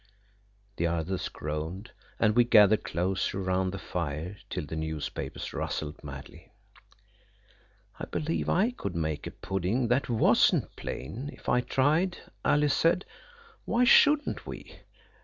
The others groaned, and we gathered closer round the fire till the newspapers rustled madly. "I believe I could make a pudding that wasn't plain, if I tried," Alice said. "Why shouldn't we?"